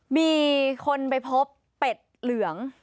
มีคนไปพบเป็ดเหลือง